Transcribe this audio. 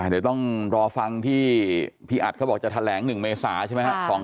เดี๋ยวต้องรอฟังที่พี่อัดเขาบอกจะแถลง๑เมษาใช่ไหมครับ